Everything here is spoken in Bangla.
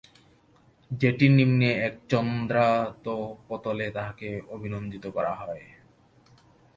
জেটির নিম্নে এক চন্দ্রাতপতলে তাঁহাকে অভিনন্দিত করা হয়।